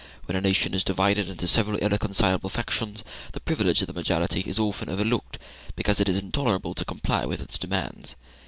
When a nation is divided into several irreconcilable factions, the privilege of the majority is often overlooked, because it is intolerable to comply with its demands.